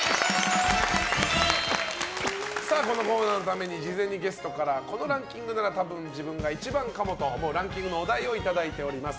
このコーナーのために事前にゲストからこのランキングなら多分自分が１番かもと思うランキングのお題をいただいております。